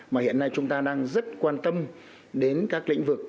mà hiện nay chúng ta đang rất quan tâm đến các lĩnh vực